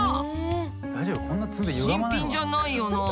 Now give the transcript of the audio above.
新品じゃないよな。